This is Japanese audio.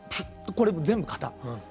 これも全部型。